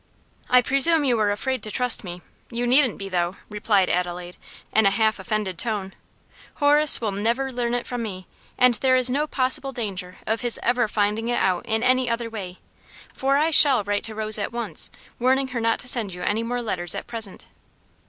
"I presume you are afraid to trust me; you needn't be, though," replied Adelaide, in a half offended tone. "Horace will never learn it from me, and there is no possible danger of his ever finding it out in any other way, for I shall write to Rose at once, warning her not to send you any more letters at present."